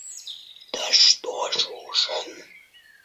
Да что ж ужин?